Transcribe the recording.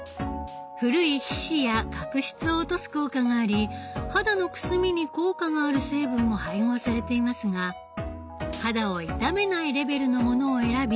古い皮脂や角質を落とす効果があり肌のくすみに効果がある成分も配合されていますが肌を傷めないレベルのものを選び